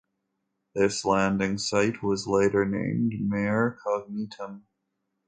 This landing site was later named Mare Cognitum.